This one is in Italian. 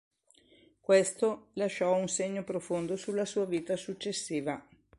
Questo lasciò un segno profondo sulla sua vita successiva.